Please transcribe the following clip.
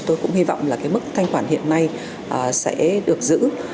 tôi cũng hy vọng là cái mức thanh khoản hiện nay sẽ được giữ